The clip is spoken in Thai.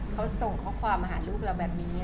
เขาส่งข้อความมาหาลูกเราแบบนี้